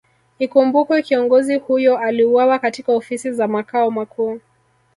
Ikumbukwe kiongozi huyo aliuwawa katika Ofisi za Makao Makuu